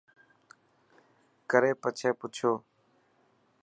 ڪري پڇي پڇيو .